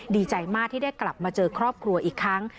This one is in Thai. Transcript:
ดีใจมากที่ได้กลับมาเจอครอบครัวอีกครั้ง